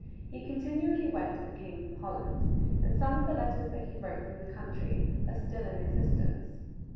He continually went and came from Holland, and some of the letters that he wrote from that country are still in existence.